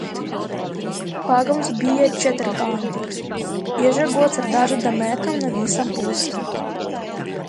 Pagalms bija četrkantīgs, iežogots ar dažādām ēkām no visām pusēm.